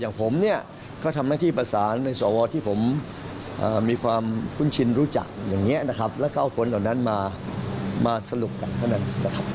อย่างผมเนี่ยก็ทำหน้าที่ประสานในสวที่ผมมีความคุ้นชินรู้จักอย่างนี้นะครับแล้วก็เอาคนเหล่านั้นมาสรุปกันเท่านั้นนะครับ